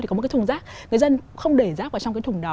thì có một cái thùng rác người dân không để rác vào trong cái thùng đó